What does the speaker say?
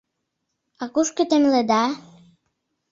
— А кушко темледа?